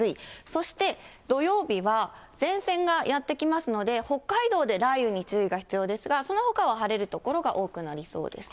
そして、土曜日は、前線がやって来ますので、北海道で雷雨に注意が必要ですが、そのほかは晴れる所が多くなりそうです。